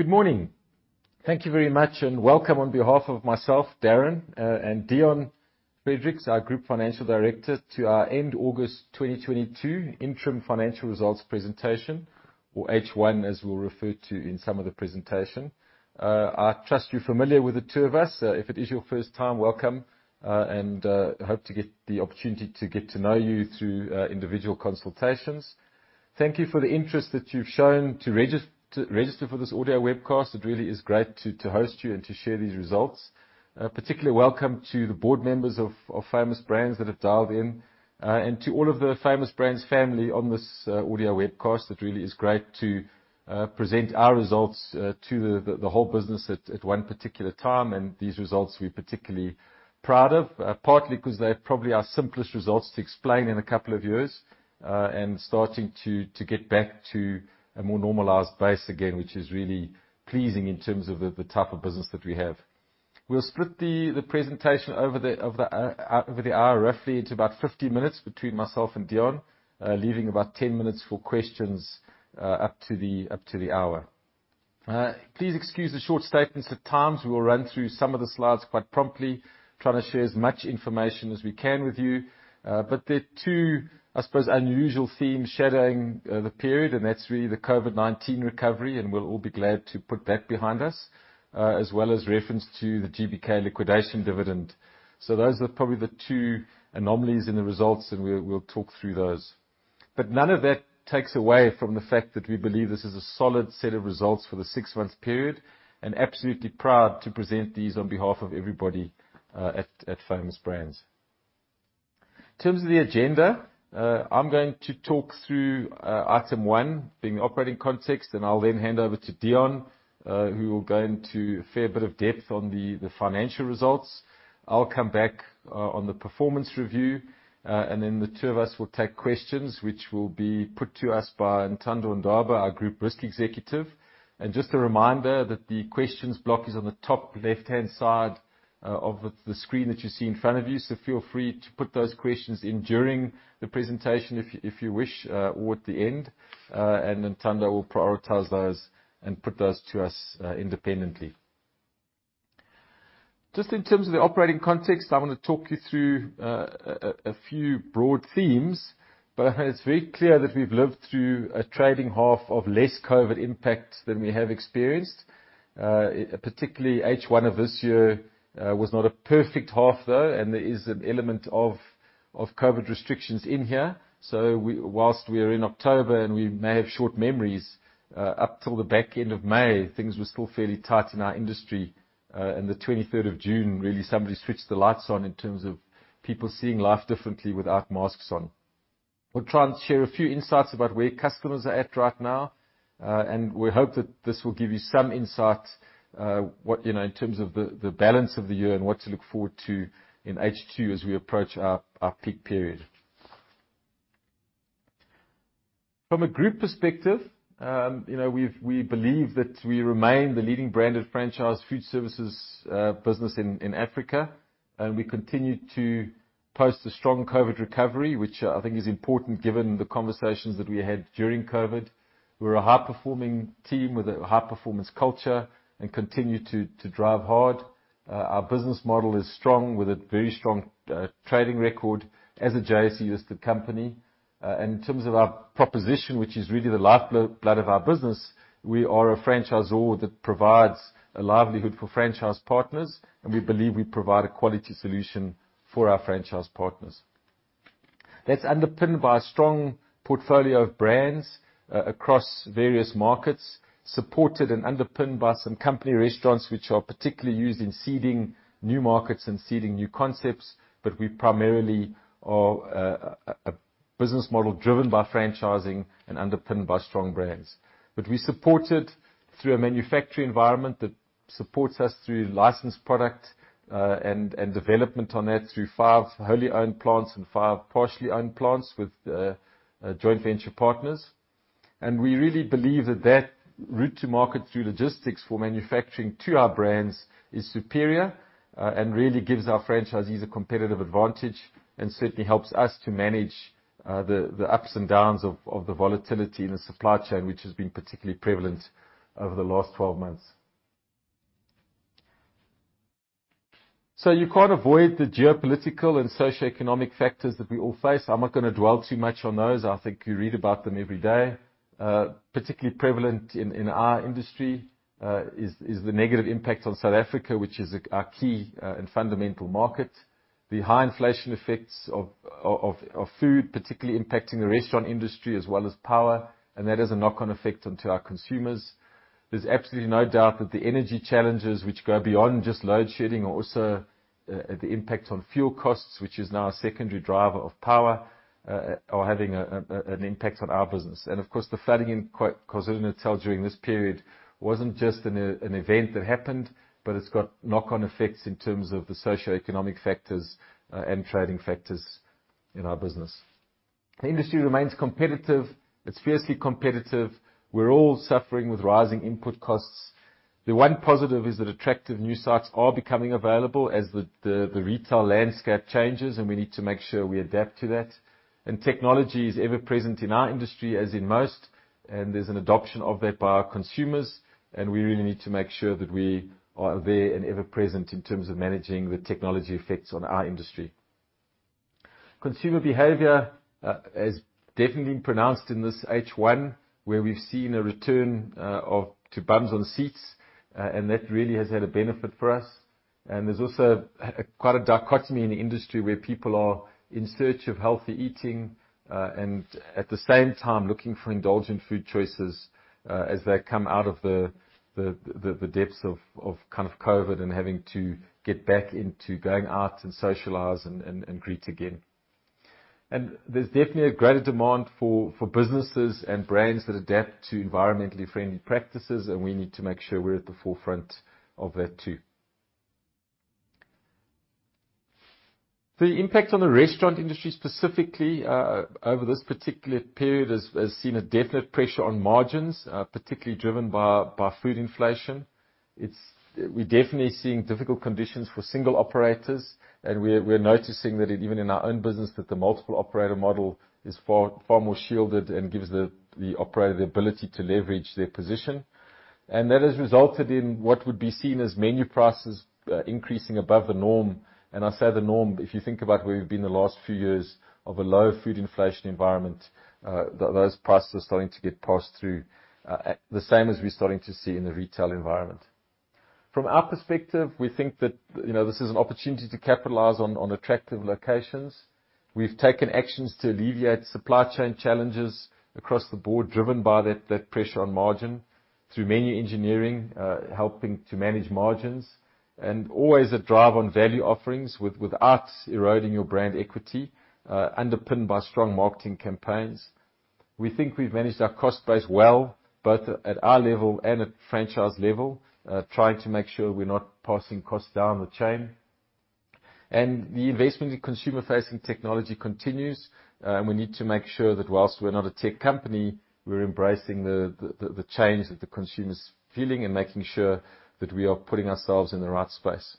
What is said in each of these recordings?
Good morning. Thank you very much, and welcome on behalf of myself, Darren, and Deon Fredericks, our Group Financial Director, to our end August 2022 interim financial results presentation, or H1, as we'll refer to in some of the presentation. I trust you're familiar with the two of us. If it is your first time, welcome, and hope to get the opportunity to get to know you through individual consultations. Thank you for the interest that you've shown to register for this audio webcast. It really is great to host you and to share these results. Particularly welcome to the board members of Famous Brands that have dialed in, and to all of the Famous Brands family on this audio webcast. It really is great to present our results to the whole business at one particular time, and these results we're particularly proud of. Partly because they're probably our simplest results to explain in a couple of years, and starting to get back to a more normalized base again, which is really pleasing in terms of the type of business that we have. We'll split the presentation over the hour roughly into about 50 minutes between myself and Deon, leaving about 10 minutes for questions up to the hour. Please excuse the short statements. At times, we will run through some of the slides quite promptly, trying to share as much information as we can with you. There are two, I suppose, unusual themes shadowing the period, and that's really the COVID-19 recovery, and we'll all be glad to put that behind us, as well as reference to the GBK liquidation dividend. Those are probably the two anomalies in the results, and we'll talk through those. None of that takes away from the fact that we believe this is a solid set of results for the six-month period and absolutely proud to present these on behalf of everybody at Famous Brands. In terms of the agenda, I'm going to talk through item one, being operating context, and I'll then hand over to Deon, who will go into a fair bit of depth on the financial results. I'll come back on the performance review, and then the two of us will take questions, which will be put to us by Ntando Ndaba, our Group Risk Executive. Just a reminder that the questions block is on the top left-hand side of the screen that you see in front of you. Feel free to put those questions in during the presentation if you wish, or at the end, and Ntando will prioritize those and put those to us independently. Just in terms of the operating context, I wanna talk you through a few broad themes, but it's very clear that we've lived through a trading half of less COVID impact than we have experienced. Particularly H1 of this year was not a perfect half, though, and there is an element of COVID restrictions in here. Whilst we are in October and we may have short memories, up till the back end of May, things were still fairly tight in our industry. The 23rd of June, really somebody switched the lights on in terms of people seeing life differently without masks on. We'll try and share a few insights about where customers are at right now, and we hope that this will give you some insight, what, you know, in terms of the balance of the year and what to look forward to in H2 as we approach our peak period. From a group perspective, you know, we believe that we remain the leading brand of franchise food services business in Africa, and we continue to post a strong COVID recovery, which I think is important given the conversations that we had during COVID. We're a high-performing team with a high-performance culture and continue to drive hard. Our business model is strong with a very strong trading record as a JSE-listed company. In terms of our proposition, which is really the lifeblood of our business, we are a franchisor that provides a livelihood for franchise partners, and we believe we provide a quality solution for our franchise partners. That's underpinned by a strong portfolio of brands across various markets, supported and underpinned by some company restaurants, which are particularly used in seeding new markets and seeding new concepts, but we primarily are a business model driven by franchising and underpinned by strong brands. We support it through a manufacturing environment that supports us through licensed product and development on that through five wholly owned plants and five partially owned plants with joint venture partners. We really believe that route to market through logistics for manufacturing to our brands is superior and really gives our franchisees a competitive advantage and certainly helps us to manage the ups and downs of the volatility in the supply chain, which has been particularly prevalent over the last 12 months. You can't avoid the geopolitical and socioeconomic factors that we all face. I'm not gonna dwell too much on those. I think you read about them every day. Particularly prevalent in our industry is the negative impact on South Africa, which is our key and fundamental market. The high inflation effects of food particularly impacting the restaurant industry as well as power, and that has a knock-on effect onto our consumers. There's absolutely no doubt that the energy challenges which go beyond just load shedding are also the impact on fuel costs, which is now a secondary driver of power, are having an impact on our business. Of course, the flooding in KwaZulu-Natal during this period wasn't just an event that happened, but it's got knock-on effects in terms of the socioeconomic factors, and trading factors in our business. The industry remains competitive. It's fiercely competitive. We're all suffering with rising input costs. The one positive is that attractive new sites are becoming available as the retail landscape changes, and we need to make sure we adapt to that. Technology is ever present in our industry as in most, and there's an adoption of that by our consumers, and we really need to make sure that we are there and ever present in terms of managing the technology effects on our industry. Consumer behavior has definitely been pronounced in this H1, where we've seen a return to bums on seats, and that really has had a benefit for us. There's also quite a dichotomy in the industry where people are in search of healthy eating, and at the same time looking for indulgent food choices, as they come out of the depths of kind of COVID and having to get back into going out and socialize and greet again. There's definitely a greater demand for businesses and brands that adapt to environmentally friendly practices, and we need to make sure we're at the forefront of that too. The impact on the restaurant industry specifically over this particular period has seen a definite pressure on margins, particularly driven by food inflation. It's- We're definitely seeing difficult conditions for single operators, and we're noticing that even in our own business, that the multiple operator model is far more shielded and gives the operator the ability to leverage their position. That has resulted in what would be seen as menu prices increasing above the norm. I say the norm, if you think about where we've been the last few years of a low food inflation environment, those prices are starting to get passed through the same as we're starting to see in the retail environment. From our perspective, we think that, you know, this is an opportunity to capitalize on attractive locations. We've taken actions to alleviate supply chain challenges across the board, driven by that pressure on margin through menu engineering, helping to manage margins and always a drive on value offerings with without eroding your brand equity, underpinned by strong marketing campaigns. We think we've managed our cost base well, both at our level and at franchise level, trying to make sure we're not passing costs down the chain. The investment in consumer-facing technology continues, and we need to make sure that while we're not a tech company, we're embracing the change that the consumer is feeling and making sure that we are putting ourselves in the right space.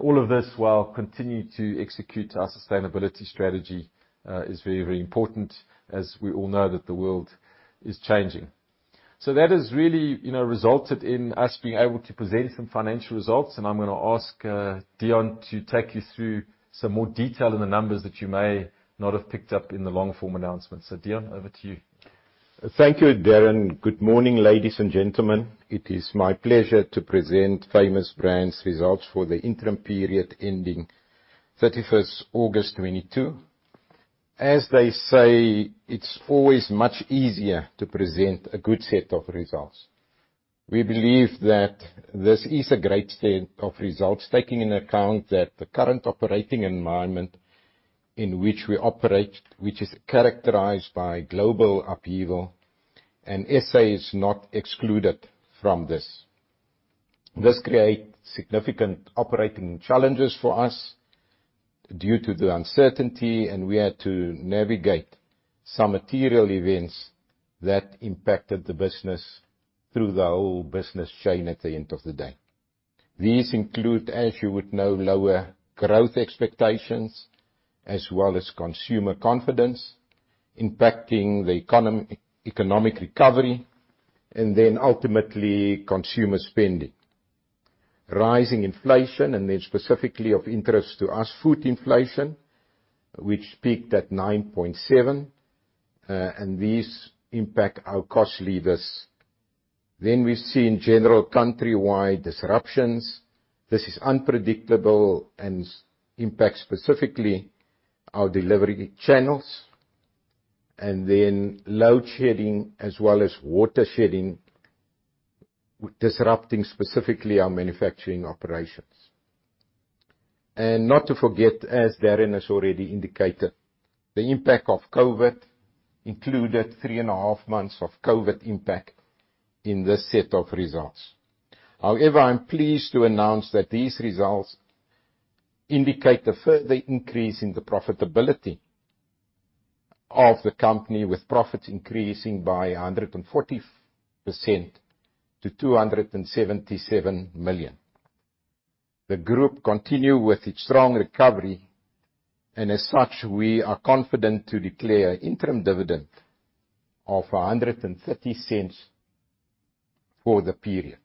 All of this while continuing to execute our sustainability strategy is very, very important as we all know that the world is changing. That has really, you know, resulted in us being able to present some financial results. I'm gonna ask, Deon, to take you through some more detail in the numbers that you may not have picked up in the long form announcement. Deon, over to you. Thank you, Darren. Good morning, ladies and gentlemen. It is my pleasure to present Famous Brands results for the interim period ending 31st August 2022. As they say, it's always much easier to present a good set of results. We believe that this is a great set of results, taking into account that the current operating environment in which we operate, which is characterized by global upheaval, and SA is not excluded from this. This creates significant operating challenges for us due to the uncertainty, and we had to navigate some material events that impacted the business through the whole business chain at the end of the day. These include, as you would know, lower growth expectations as well as consumer confidence impacting the economic recovery and then ultimately consumer spending. Rising inflation, and then specifically of interest to us, food inflation, which peaked at 9.7%, and these impact our cost levers. We've seen general country-wide disruptions. This is unpredictable and impacts specifically our delivery channels, and then load shedding as well as water shedding, disrupting specifically our manufacturing operations. Not to forget, as Darren has already indicated, the impact of COVID included 3.5 months of COVID impact in this set of results. However, I'm pleased to announce that these results indicate a further increase in the profitability of the company, with profits increasing by 140% to 277 million. The group continue with its strong recovery, and as such, we are confident to declare interim dividend of 1.30 for the period.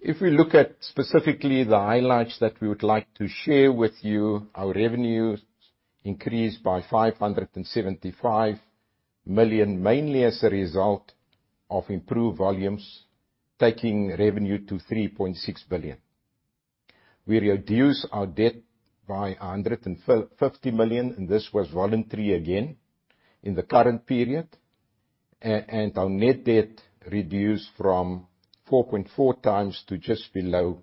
If we look at specifically the highlights that we would like to share with you, our revenues increased by 575 million, mainly as a result of improved volumes, taking revenue to 3.6 billion. We reduced our debt by 150 million, and this was voluntary again in the current period. And our net debt reduced from 4.4x to just below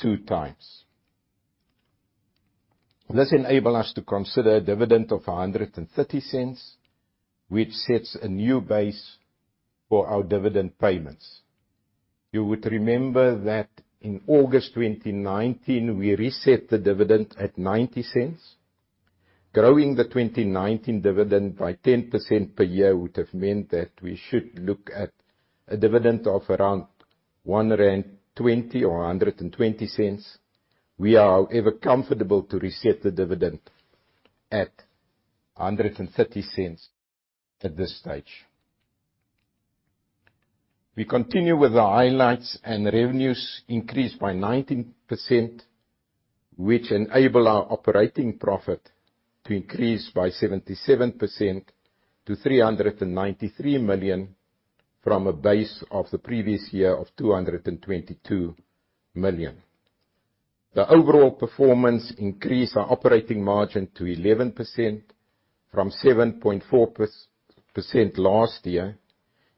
2x. This enable us to consider a dividend of 1.30, which sets a new base for our dividend payments. You would remember that in August 2019, we reset the dividend at 0.90. Growing the 2019 dividend by 10% per year would have meant that we should look at a dividend of around 1.20 rand or 1.20. We are, however, comfortable to reset the dividend at 1.30 at this stage. We continue with the highlights, and revenues increased by 19%, which enable our operating profit to increase by 77% to 393 million from a base of the previous year of 222 million. The overall performance increased our operating margin to 11% from 7.4% last year.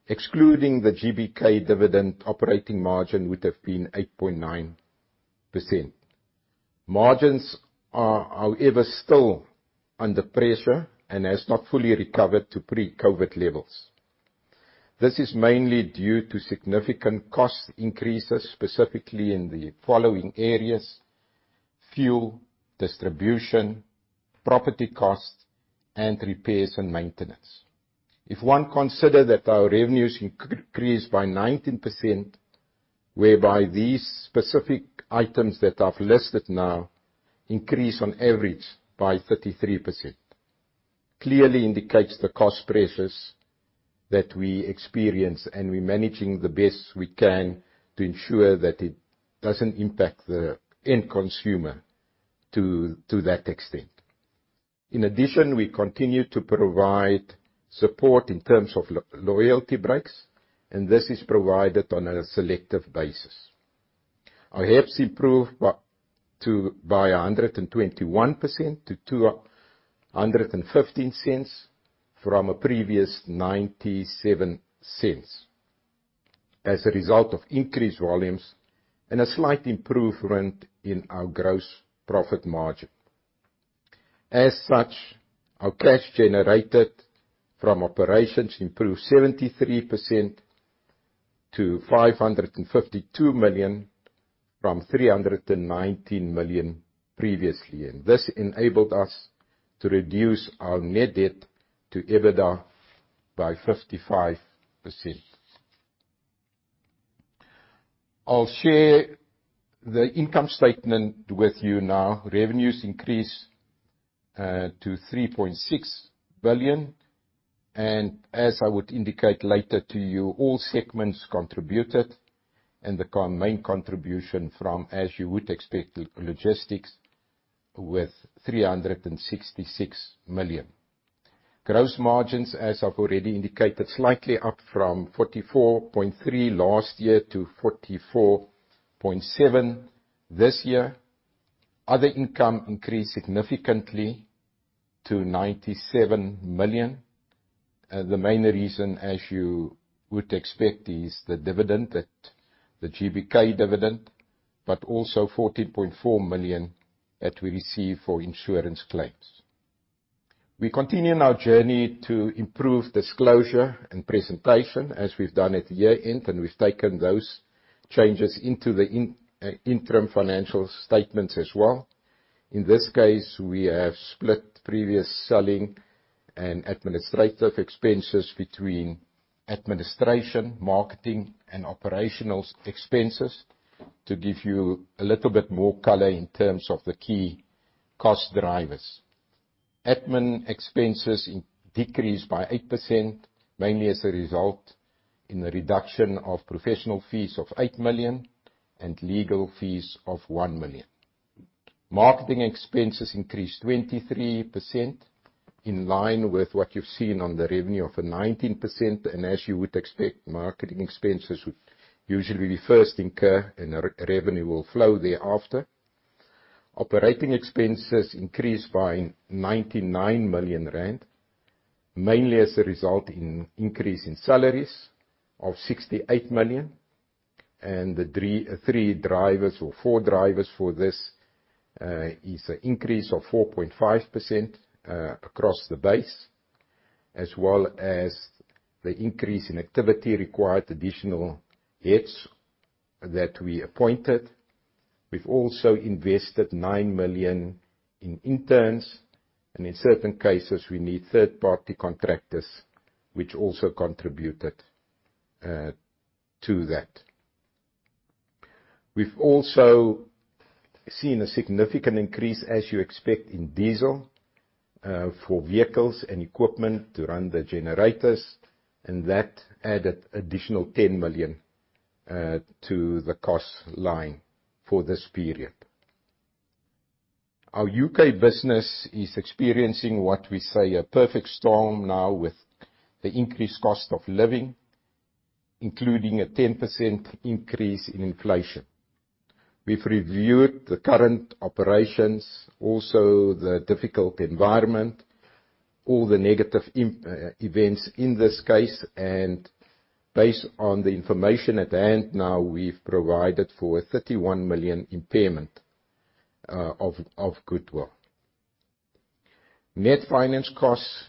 Excluding the GBK dividend, operating margin would have been 8.9%. Margins are, however, still under pressure and has not fully recovered to pre-COVID-19 levels. This is mainly due to significant cost increases, specifically in the following areas, fuel, distribution, property costs, and repairs and maintenance. If one consider that our revenues increased by 19%, whereby these specific items that I've listed now increase on average by 33%, clearly indicates the cost pressures that we experience, and we're managing the best we can to ensure that it doesn't impact the end consumer to that extent. In addition, we continue to provide support in terms of loyalty breaks, and this is provided on a selective basis. Our HEPS improved by 121% to 2.15 from a previous 0.97 as a result of increased volumes and a slight improvement in our gross profit margin. As such, our cash generated from operations improved 73% to 552 million from 319 million previously, and this enabled us to reduce our net debt to EBITDA by 55%. I'll share the income statement with you now. Revenues increased to 3.6 billion. As I would indicate later to you, all segments contributed, and the main contribution from, as you would expect, logistics with 366 million. Gross margins, as I've already indicated, slightly up from 44.3% last year to 44.7% this year. Other income increased significantly to 97 million. The main reason, as you would expect, is the GBK dividend, but also 14.4 million that we received for insurance claims. We continue in our journey to improve disclosure and presentation as we've done at year-end, and we've taken those changes into the interim financial statements as well. In this case, we have split previous selling and administrative expenses between administration, marketing, and operational expenses to give you a little bit more color in terms of the key cost drivers. Admin expenses decreased by 8%, mainly as a result of the reduction of professional fees of 8 million and legal fees of 1 million. Marketing expenses increased 23% in line with what you've seen on the revenue of 19%. As you would expect, marketing expenses would usually first incur, and revenue will flow thereafter. Operating expenses increased by 99 million rand, mainly as a result of increase in salaries of 68 million. The three drivers or four drivers for this is an increase of 4.5% across the base, as well as the increase in activity required additional heads that we appointed. We've also invested 9 million in interns, and in certain cases, we need third-party contractors, which also contributed to that. We've also seen a significant increase, as you expect in diesel for vehicles and equipment to run the generators, and that added additional 10 million to the cost line for this period. Our U.K. business is experiencing what we call a perfect storm now with the increased cost of living, including a 10% increase in inflation. We've reviewed the current operations, also the difficult environment, all the negative events in this case. Based on the information at hand now, we've provided for a 31 million impairment of goodwill. Net finance costs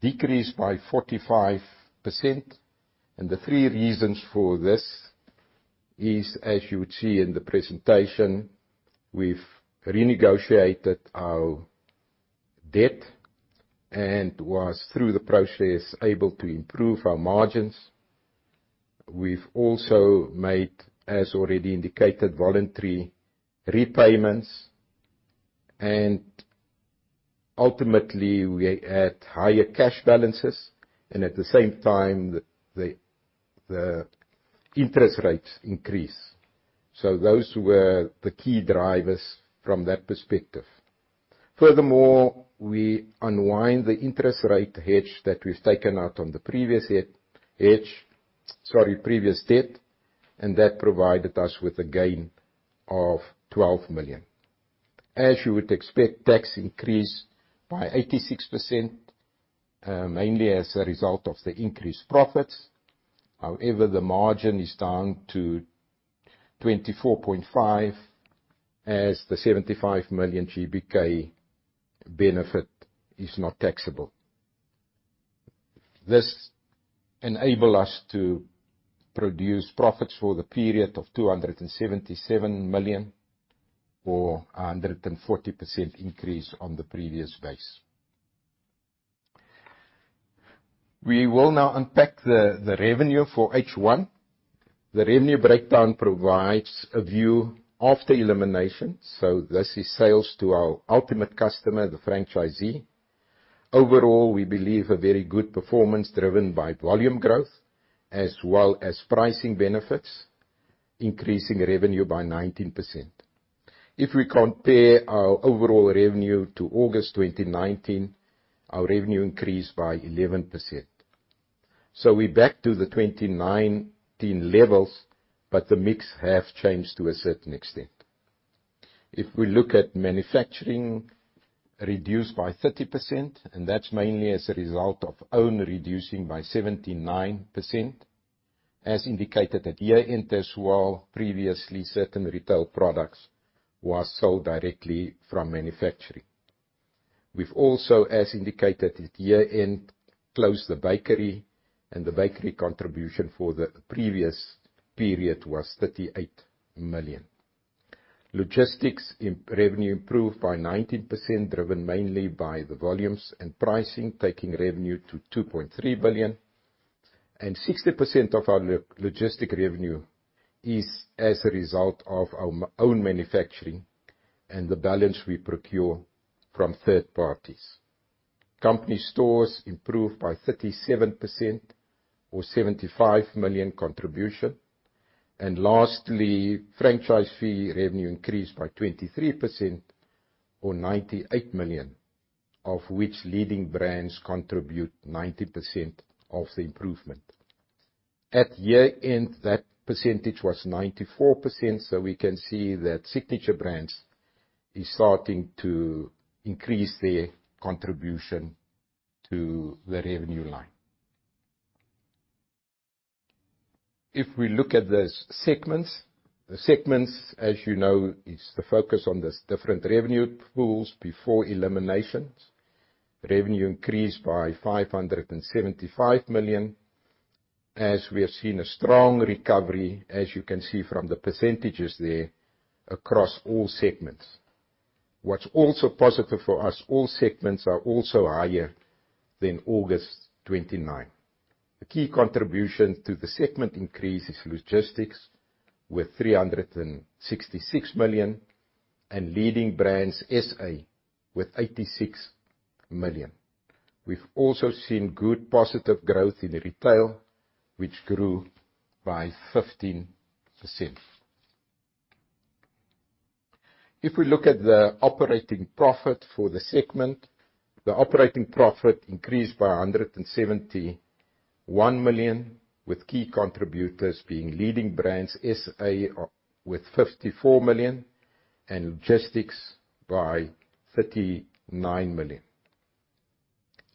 decreased by 45%, and the three reasons for this is, as you would see in the presentation, we've renegotiated our debt and was through the process able to improve our margins. We've also made, as already indicated, voluntary repayments, and ultimately, we're at higher cash balances, and at the same time, the interest rates increase. Those were the key drivers from that perspective. Furthermore, we unwind the interest rate hedge that we've taken out on the previous debt, and that provided us with a gain of 12 million. As you would expect, tax increased by 86%, mainly as a result of the increased profits. However, the margin is down to 24.5%, as the 75 million GBK benefit is not taxable. This enable us to produce profits for the period of 277 million or a 140% increase on the previous base. We will now unpack the revenue for H1. The revenue breakdown provides a view of the elimination. This is sales to our ultimate customer, the franchisee. Overall, we believe a very good performance driven by volume growth as well as pricing benefits, increasing revenue by 19%. If we compare our overall revenue to August 2019, our revenue increased by 11%. We're back to the 2019 levels, but the mix have changed to a certain extent. If we look at manufacturing, reduced by 30%, and that's mainly as a result of own reducing by 79%, as indicated at year-end, as well previously, certain retail products was sold directly from manufacturing. We've also, as indicated at year-end, closed the bakery, and the bakery contribution for the previous period was 38 million. Logistics revenue improved by 19%, driven mainly by the volumes and pricing, taking revenue to 2.3 billion. 60% of our logistic revenue is as a result of our own manufacturing and the balance we procure from third parties. Company stores improved by 37% or 75 million contribution. Lastly, franchise fee revenue increased by 23% or 98 million, of which Leading Brands contribute 90% of the improvement. At year-end, that percentage was 94%, so we can see that Signature Brands is starting to increase their contribution to the revenue line. If we look at the segments. The segments, as you know, is the focus on these different revenue pools before eliminations. Revenue increased by 575 million. We have seen a strong recovery, as you can see from the percentages there across all segments. What's also positive for us, all segments are also higher than August 2019. The key contribution to the segment increase is logistics with 366 million and Leading Brands SA with 86 million. We've also seen good positive growth in retail, which grew by 15%. If we look at the operating profit for the segment, the operating profit increased by 171 million, with key contributors being Leading Brands SA with 54 million and logistics by 39 million.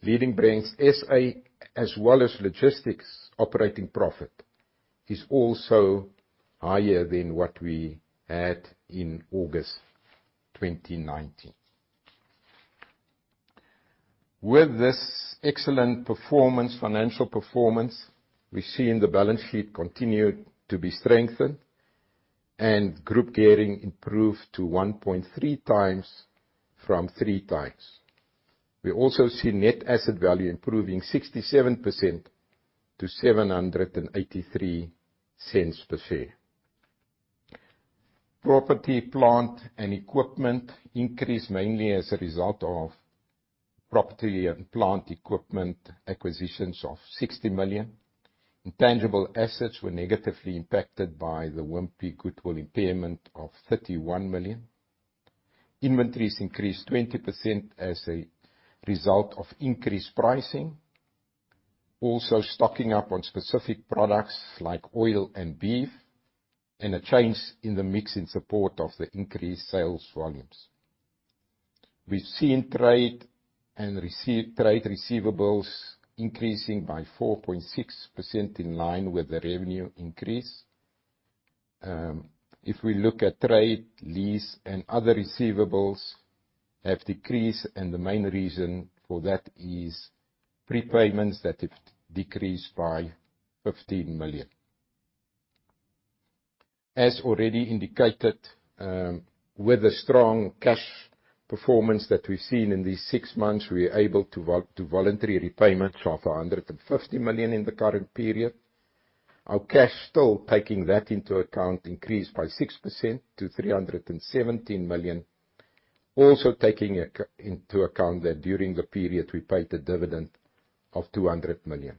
Leading Brands SA, as well as logistics operating profit, is also higher than what we had in August 2019. With this excellent performance, financial performance, we're seeing the balance sheet continue to be strengthened and group gearing improve to 1.3x from 3x. We also see net asset value improving 67% to 7.83 per share. Property, plant, and equipment increased mainly as a result of property and plant equipment acquisitions of 60 million. Intangible assets were negatively impacted by the Wimpy goodwill impairment of 31 million. Inventories increased 20% as a result of increased pricing. Also, stocking up on specific products like oil and beef, and a change in the mix in support of the increased sales volumes. We've seen trade and other receivables increasing by 4.6% in line with the revenue increase. If we look at trade, lease, and other receivables, they have decreased, and the main reason for that is prepayments that have decreased by 15 million. As already indicated, with the strong cash performance that we've seen in these six months, we are able to voluntary repayments of 150 million in the current period. Our cash still taking that into account increased by 6% to 317 million. Also taking into account that during the period we paid a dividend of 200 million.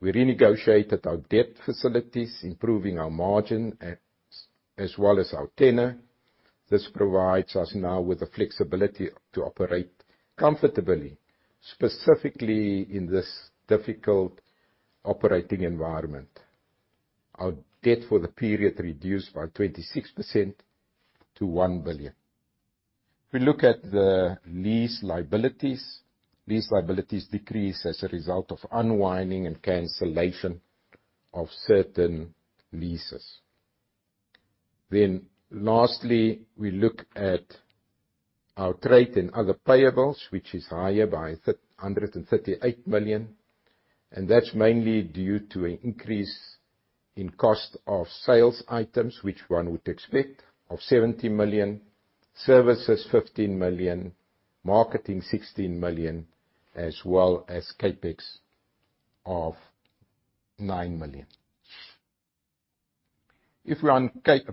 We renegotiated our debt facilities, improving our margin as well as our tenor. This provides us now with the flexibility to operate comfortably, specifically in this difficult operating environment. Our debt for the period reduced by 26% to 1 billion. If we look at the lease liabilities. Lease liabilities decrease as a result of unwinding and cancellation of certain leases. Last, we look at our trade and other payables, which is higher by 338 million, and that's mainly due to an increase in cost of sales items which one would expect of 70 million, services 15 million, marketing 16 million, as well as CapEx of 9 million. If we unpack the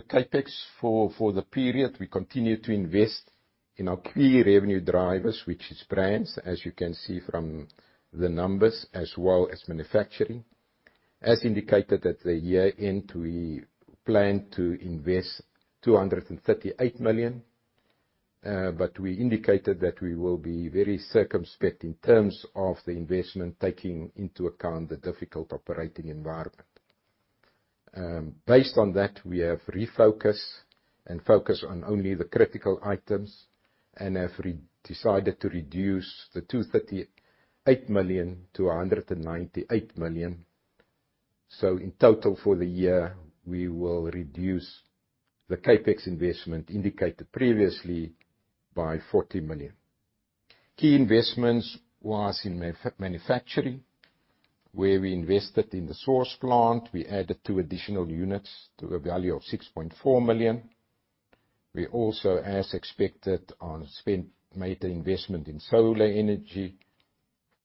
CapEx for the period, we continue to invest in our key revenue drivers, which is brands, as you can see from the numbers, as well as manufacturing. As indicated at the year-end, we plan to invest 238 million, but we indicated that we will be very circumspect in terms of the investment, taking into account the difficult operating environment. Based on that, we have refocused and focused on only the critical items and have re-decided to reduce the 238 million to 198 million. In total for the year, we will reduce the CapEx investment indicated previously by 40 million. Key investments was in manufacturing, where we invested in the sauce plant. We added two additional units to a value of 6.4 million. We also, as expected, made an investment in solar energy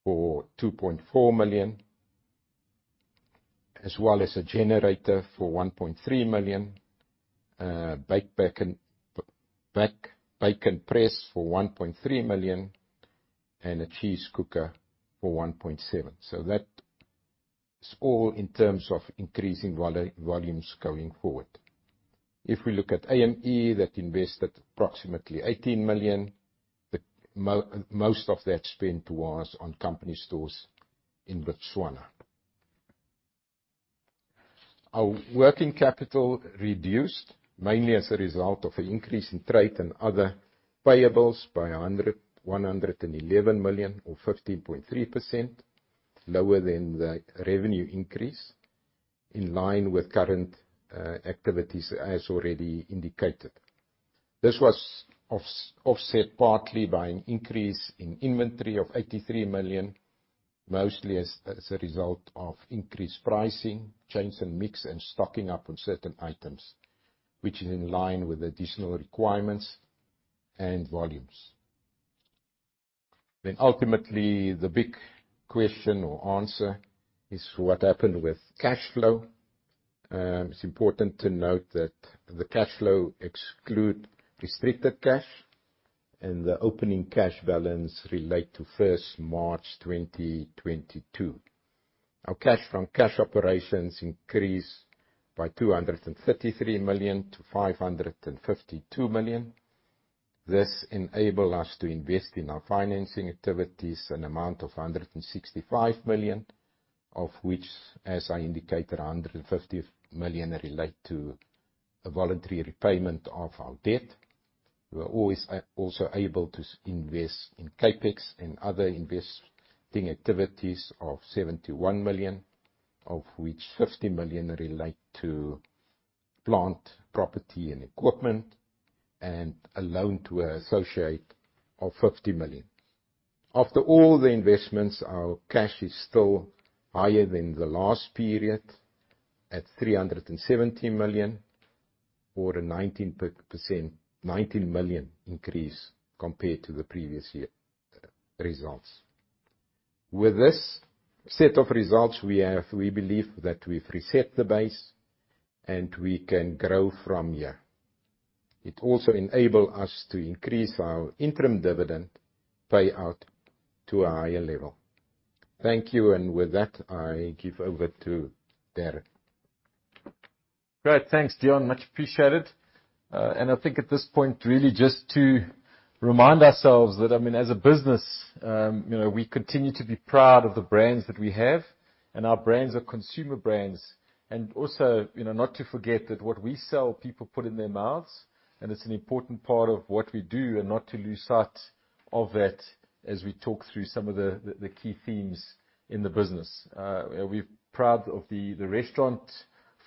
for 2.4 million, as well as a generator for 1.3 million, bake and press for 1.3 million, and a cheese cooker for 1.7 million. That's all in terms of increasing volumes going forward. If we look at AME, that invested approximately 18 million, the most of that spend was on company stores in Botswana. Our working capital reduced mainly as a result of an increase in trade and other payables by 111 million or 15.3% lower than the revenue increase in line with current activities as already indicated. This was offset partly by an increase in inventory of 83 million, mostly as a result of increased pricing, change in mix and stocking up on certain items, which is in line with additional requirements and volumes. Ultimately, the big question or answer is what happened with cash flow. It's important to note that the cash flow exclude restricted cash and the opening cash balance relate to 1st March 2022. Our cash from cash operations increased by 233 million to 552 million. This enable us to invest in our financing activities an amount of 165 million, of which, as I indicated, 150 million relate to a voluntary repayment of our debt. We were always also able to invest in CapEx and other investing activities of 71 million, of which 50 million relate to plant, property and equipment, and a loan to an associate of 50 million. After all the investments, our cash is still higher than the last period at 317 million or a 19%, 19 million increase compared to the previous year results. With this set of results we have, we believe that we've reset the base and we can grow from here. It also enable us to increase our interim dividend payout to a higher level. Thank you. With that, I give over to Darren. Great. Thanks, Deon. Much appreciated. I think at this point, really just to remind ourselves that, I mean, as a business, you know, we continue to be proud of the brands that we have and our brands are consumer brands. Also, you know, not to forget that what we sell, people put in their mouths, and it's an important part of what we do and not to lose sight of that as we talk through some of the key themes in the business. We're proud of the restaurant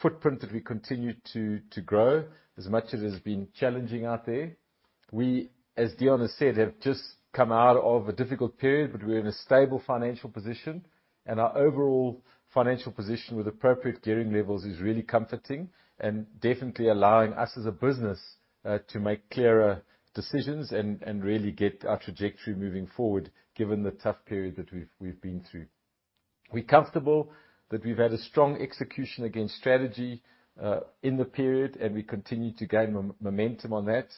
footprint that we continue to grow as much as it has been challenging out there. We, as Deon has said, have just come out of a difficult period, but we're in a stable financial position, and our overall financial position with appropriate gearing levels is really comforting and definitely allowing us as a business, to make clearer decisions and really get our trajectory moving forward, given the tough period that we've been through. We're comfortable that we've had a strong execution against strategy, in the period, and we continue to gain momentum on that.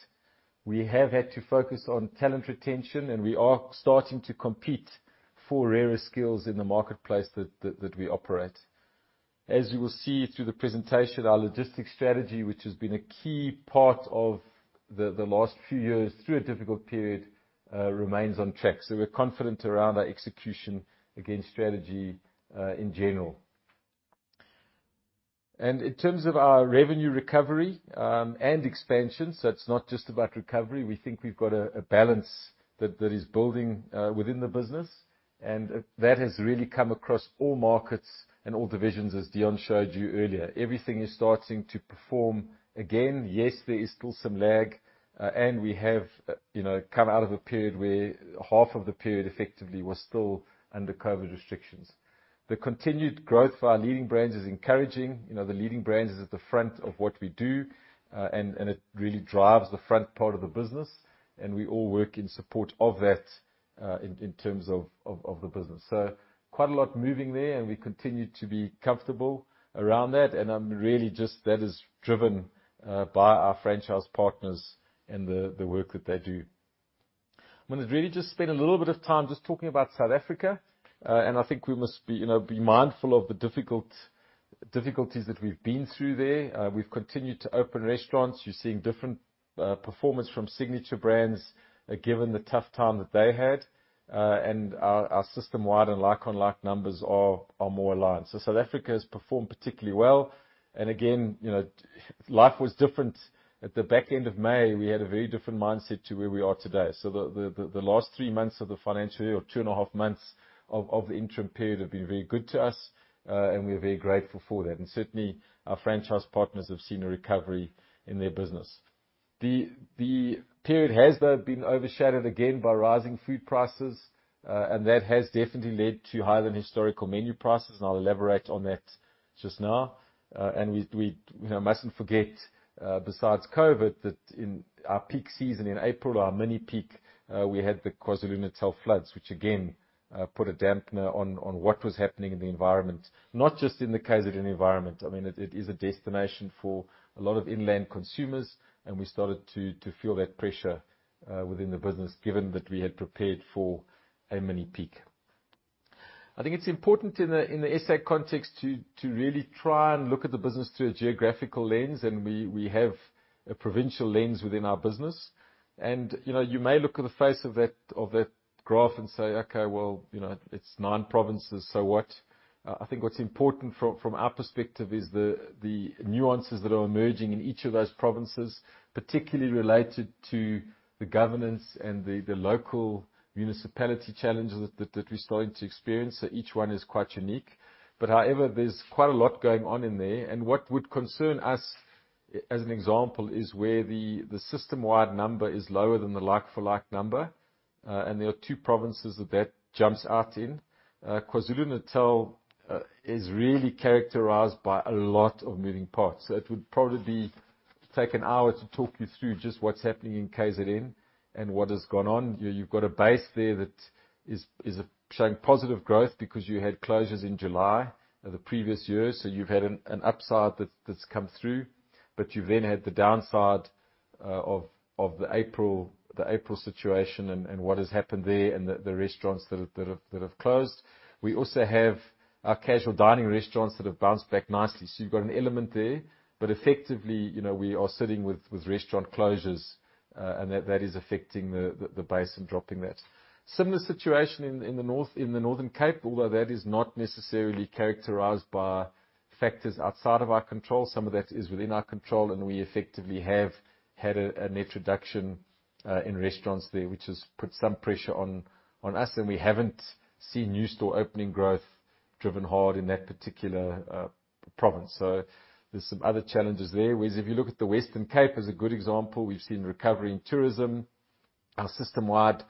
We have had to focus on talent retention, and we are starting to compete for rarer skills in the marketplace that we operate. As you will see through the presentation, our logistics strategy, which has been a key part of the last few years through a difficult period, remains on track, so we're confident around our execution against strategy, in general. In terms of our revenue recovery, and expansion, so it's not just about recovery. We think we've got a balance that is building within the business and that has really come across all markets and all divisions, as Deon showed you earlier. Everything is starting to perform again. Yes, there is still some lag, and we have, you know, come out of a period where half of the period effectively was still under COVID restrictions. The continued growth of our Leading Brands is encouraging. You know, the Leading Brands is at the front of what we do, and it really drives the front part of the business, and we all work in support of that, in terms of the business. Quite a lot moving there, and we continue to be comfortable around that, and I'm really just that is driven by our franchise partners and the work that they do. I'm gonna really just spend a little bit of time just talking about South Africa, and I think we must you know be mindful of the difficulties that we've been through there. We've continued to open restaurants. You're seeing different performance from Signature Brands given the tough time that they had, and our system-wide and like-for-like numbers are more aligned. South Africa has performed particularly well, and again, you know, life was different. At the back end of May, we had a very different mindset to where we are today. The last three months of the financial year or 2.5 months of the interim period have been very good to us, and we're very grateful for that. Certainly, our franchise partners have seen a recovery in their business. The period has, though, been overshadowed again by rising food prices, and that has definitely led to higher than historical menu prices, and I'll elaborate on that just now. We you know mustn't forget, besides COVID, that in our peak season in April, our mini peak, we had the KwaZulu-Natal floods, which again put a dampener on what was happening in the environment, not just in the KZN environment. I mean, it is a destination for a lot of inland consumers, and we started to feel that pressure within the business, given that we had prepared for a mini peak. I think it's important in the SA context to really try and look at the business through a geographical lens, and we have a provincial lens within our business. You know, you may look at the face of that graph and say, "Okay, well, you know, it's nine provinces, so what?" I think what's important from our perspective is the nuances that are emerging in each of those provinces, particularly related to the governance and the local municipality challenges that we're starting to experience, so each one is quite unique. However, there's quite a lot going on in there, and what would concern us as an example is where the system-wide number is lower than the like-for-like number, and there are two provinces that jumps out in. KwaZulu-Natal is really characterized by a lot of moving parts. So it would probably take an hour to talk you through just what's happening in KZN and what has gone on. You've got a base there that is showing positive growth because you had closures in July of the previous year, so you've had an upside that's come through. You've then had the downside of the April situation and what has happened there and the restaurants that have closed. We also have our casual dining restaurants that have bounced back nicely. You've got an element there, but effectively, we are sitting with restaurant closures, and that is affecting the base and dropping that. Similar situation in the North, in the Northern Cape, although that is not necessarily characterized by factors outside of our control. Some of that is within our control, and we effectively have had a net reduction in restaurants there, which has put some pressure on us. We haven't seen new store opening growth driven hard in that particular province. There's some other challenges there. Whereas if you look at the Western Cape as a good example, we've seen recovery in tourism. Our system-wide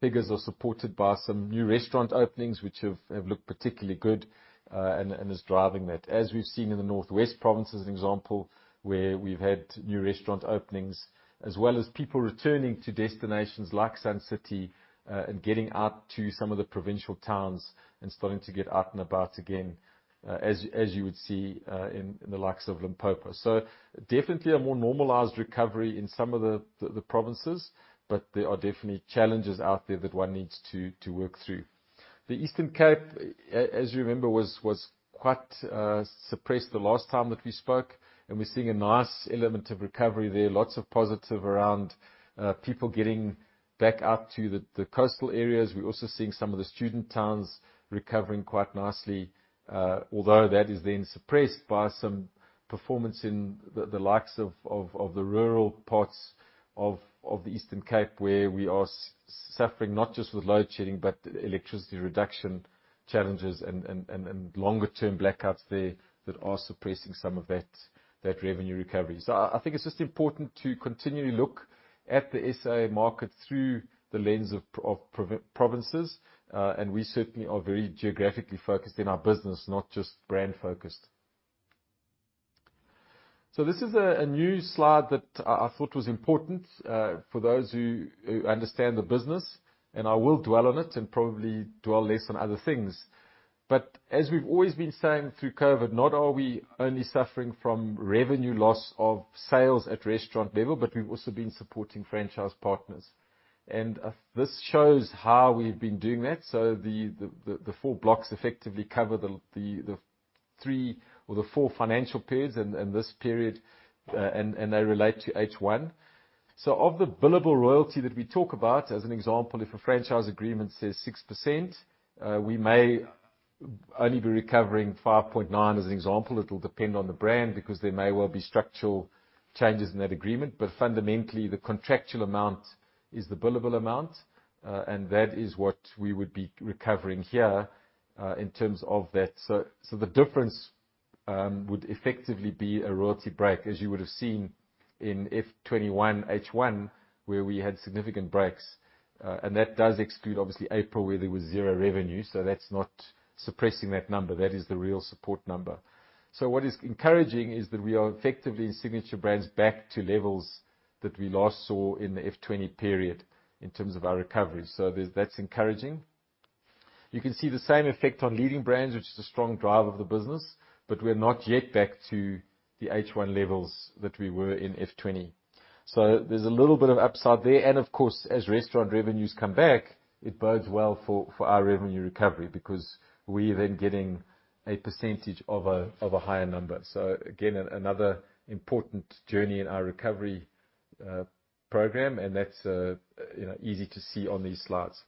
figures are supported by some new restaurant openings which have looked particularly good and is driving that. As we've seen in the North West Province as an example, where we've had new restaurant openings, as well as people returning to destinations like Sun City, and getting out to some of the provincial towns and starting to get out and about again, as you would see in the likes of Limpopo. Definitely a more normalized recovery in some of the provinces, but there are definitely challenges out there that one needs to work through. The Eastern Cape, as you remember, was quite suppressed the last time that we spoke, and we're seeing a nice element of recovery there. Lots of positive around people getting back out to the coastal areas. We're also seeing some of the student towns recovering quite nicely, although that is then suppressed by some performance in the likes of the rural parts of the Eastern Cape, where we are suffering not just with load shedding, but electricity reduction challenges and longer term blackouts there that are suppressing some of that revenue recovery. I think it's just important to continually look at the SA market through the lens of provinces. We certainly are very geographically focused in our business, not just brand focused. This is a new slide that I thought was important for those who understand the business, and I will dwell on it and probably dwell less on other things. As we've always been saying through COVID, not only are we suffering from revenue loss of sales at restaurant level, but we've also been supporting franchise partners. This shows how we've been doing that. The full blocks effectively cover the three or four financial periods and this period, and they relate to H1. Of the billable royalty that we talk about as an example, if a franchise agreement says 6%, we may only be recovering 5.9% as an example. It'll depend on the brand because there may well be structural changes in that agreement. Fundamentally, the contractual amount is the billable amount, and that is what we would be recovering here, in terms of that. The difference would effectively be a royalty break, as you would have seen in FY 2021, H1, where we had significant breaks. That does exclude, obviously, April, where there was zero revenue, so that's not suppressing that number. That is the real support number. What is encouraging is that we are effectively in Signature Brands back to levels that we last saw in the FY 2020 period in terms of our recovery. That's encouraging. You can see the same effect on Leading Brands, which is a strong driver of the business, but we're not yet back to the H1 levels that we were in FY 2020. There's a little bit of upside there. Of course, as restaurant revenues come back, it bodes well for our revenue recovery because we're then getting a percentage of a higher number. Again, another important journey in our recovery program, and that's you know easy to see on these slides.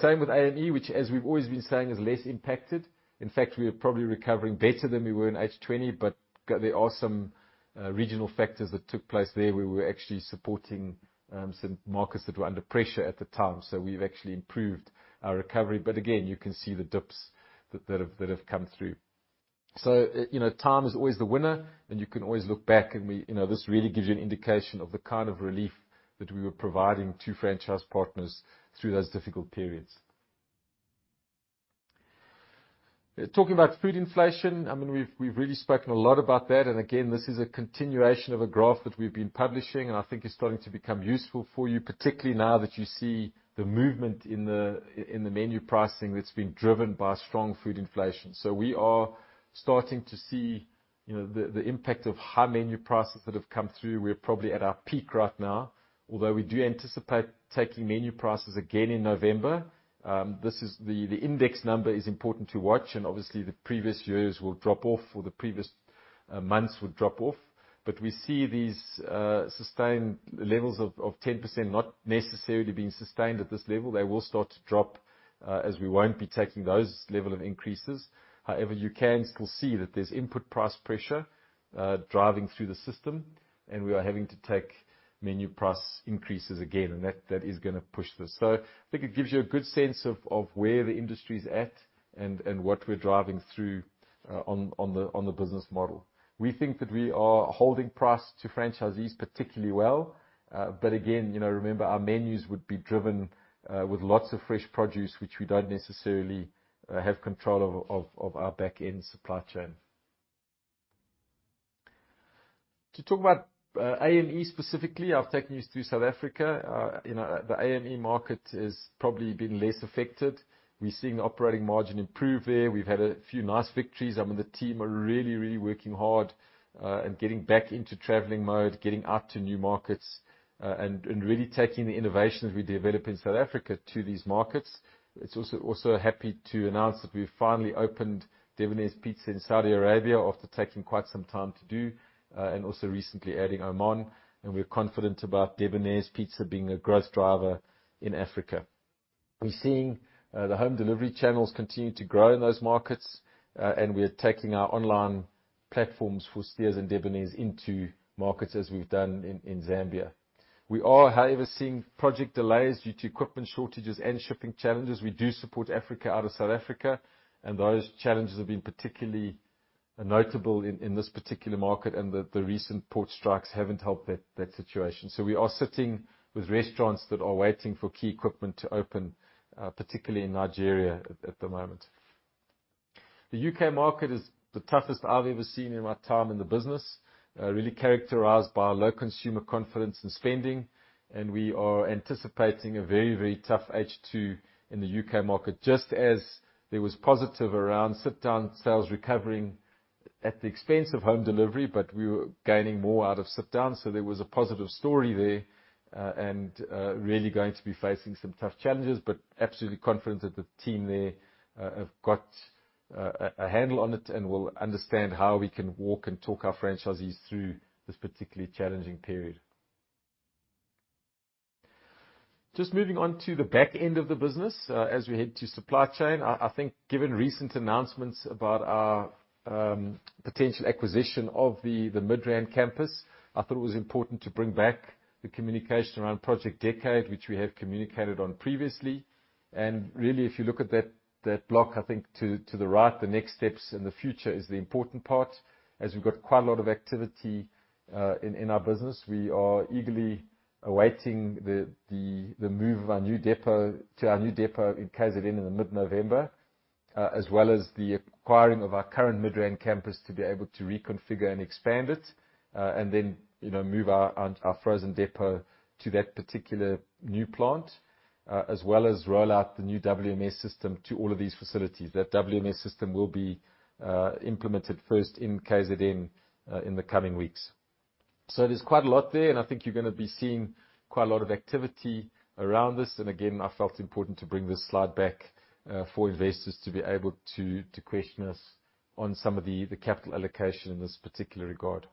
Same with AME, which as we've always been saying, is less impacted. In fact, we are probably recovering better than we were in H2, but there are some regional factors that took place there. We were actually supporting some markets that were under pressure at the time. We've actually improved our recovery. Again, you can see the dips that have come through. You know, time is always the winner, and you can always look back. You know, this really gives you an indication of the kind of relief that we were providing to franchise partners through those difficult periods. Talking about food inflation, I mean, we've really spoken a lot about that. Again, this is a continuation of a graph that we've been publishing, and I think it's starting to become useful for you, particularly now that you see the movement in the menu pricing that's been driven by strong food inflation. We are starting to see the impact of high menu prices that have come through. We're probably at our peak right now, although we do anticipate taking menu prices again in November. This is the index number is important to watch and obviously the previous years will drop off or the previous months will drop off. We see these sustained levels of 10% not necessarily being sustained at this level. They will start to drop as we won't be taking those level of increases. However, you can still see that there's input price pressure, driving through the system, and we are having to take menu price increases again, and that is gonna push this. So I think it gives you a good sense of where the industry is at and what we're driving through on the business model. We think that we are holding price to franchisees particularly well. But again, you know, remember, our menus would be driven with lots of fresh produce, which we don't necessarily have control of our back end supply chain. To talk about AME specifically, I've taken you through South Africa. You know, the AME market has probably been less affected. We're seeing operating margin improve there. We've had a few nice victories. I mean, the team are really, really working hard, and getting back into traveling mode, getting out to new markets, and really taking the innovations we develop in South Africa to these markets. It's also happy to announce that we finally opened Debonairs Pizza in Saudi Arabia after taking quite some time to do, and also recently adding Oman. We're confident about Debonairs Pizza being a growth driver in Africa. We're seeing the home delivery channels continue to grow in those markets, and we're taking our online platforms for Steers and Debonairs into markets as we've done in Zambia. We are, however, seeing project delays due to equipment shortages and shipping challenges. We do support Africa out of South Africa, and those challenges have been particularly notable in this particular market, and the recent port strikes haven't helped that situation. We are sitting with restaurants that are waiting for key equipment to open, particularly in Nigeria at the moment. The U.K. market is the toughest I've ever seen in my time in the business, really characterized by low consumer confidence in spending, and we are anticipating a very, very tough H2 in the U.K. market. Just as there was positive around sit-down sales recovering at the expense of home delivery, but we were gaining more out of sit-down, so there was a positive story there. Really going to be facing some tough challenges, but absolutely confident that the team there have got a handle on it and will understand how we can walk and talk our franchisees through this particularly challenging period. Just moving on to the back end of the business, as we head to supply chain. I think given recent announcements about our potential acquisition of the Midrand campus, I thought it was important to bring back the communication around Project Decade, which we have communicated on previously. Really, if you look at that block, I think to the right, the next steps in the future is the important part, as we've got quite a lot of activity in our business. We are eagerly awaiting the move to our new depot in KZN in mid-November, as well as the acquiring of our current Midrand campus to be able to reconfigure and expand it, and then, you know, move our frozen depot to that particular new plant, as well as roll out the new WMS system to all of these facilities. That WMS system will be implemented first in KZN in the coming weeks. There's quite a lot there, and I think you're gonna be seeing quite a lot of activity around this. Again, I felt important to bring this slide back, for investors to be able to question us on some of the capital allocation in this particular regard.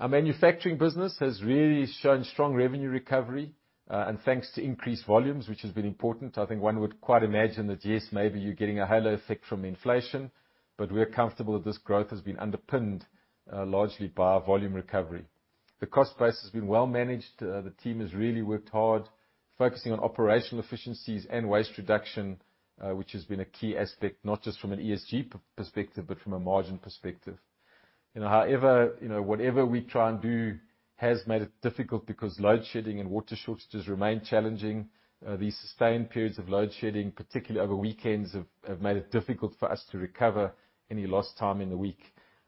Our manufacturing business has really shown strong revenue recovery, and thanks to increased volumes, which has been important. I think one would quite imagine that, yes, maybe you're getting a halo effect from inflation, but we're comfortable that this growth has been underpinned, largely by our volume recovery. The cost base has been well managed. The team has really worked hard focusing on operational efficiencies and waste reduction, which has been a key aspect, not just from an ESG perspective, but from a margin perspective. You know, however, you know, whatever we try and do has made it difficult because load shedding and water shortages remain challenging. These sustained periods of load shedding, particularly over weekends, have made it difficult for us to recover any lost time in the week,